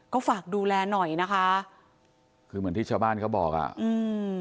ก็ฝากดูแลหน่อยนะคะคือเหมือนที่ชาวบ้านเขาบอกอ่ะอืม